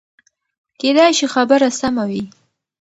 کېدای شي خبره سمه وي.